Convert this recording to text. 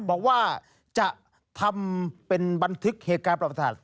บอกว่าจะทำเป็นบันทึกเหตุการณ์ประวัติศาสตร์